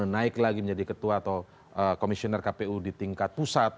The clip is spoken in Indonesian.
naik lagi menjadi ketua atau komisioner kpu di tingkat pusat